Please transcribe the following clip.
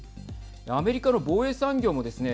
アメリカの防衛産業もですね